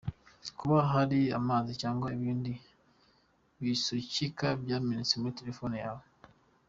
Kuba hari amazi cyangwa ibindi bisukika byamenetse muri telefone yawe .